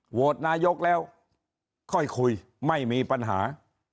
โหวตนายกแล้วค่อยคุยไม่มีปัญหา